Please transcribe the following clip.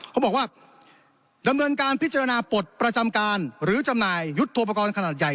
เขาบอกว่าดำเนินการพิจารณาปลดประจำการหรือจำหน่ายยุทธโปรกรณ์ขนาดใหญ่